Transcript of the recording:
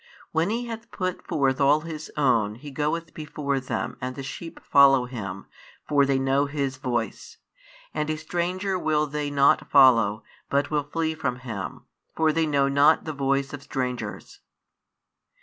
When he hath put forth all his own, he goeth before them, and the sheep follow him: for they know his voice. And a stranger will they not follow, but will flee from him: for they know not the voice of strangers.